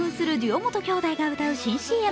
本兄弟が歌う新ＣＭ。